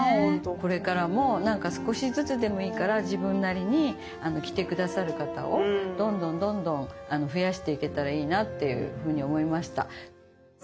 これからも何か少しずつでもいいから自分なりに着て下さる方をどんどんどんどん増やしていけたらいいなっていうふうに思いました。